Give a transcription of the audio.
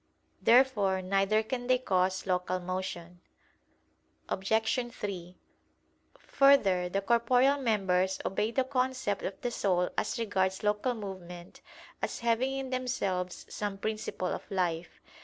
Therefore neither can they cause local motion. Obj. 3: Further, the corporeal members obey the concept of the soul as regards local movement, as having in themselves some principle of life.